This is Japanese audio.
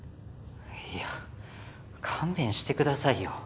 いや勘弁してくださいよ。